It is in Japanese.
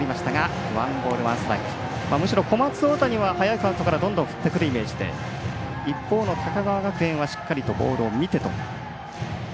むしろ小松大谷は早いカウントから振ってくるイメージで一方の高川学園は、しっかりとボールを見てと。